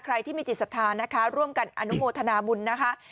ใครที่มีจิตศรัทธานะคะร่วมกันอนุโมทนาบุญนะคะ